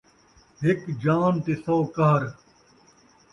ہک جان تے سو قہر